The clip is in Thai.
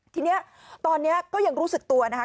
ทีนี้ตอนนี้ก็ยังรู้สึกตัวนะคะ